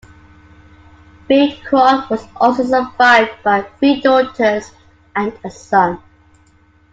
Beecroft was also survived by three daughters and a son.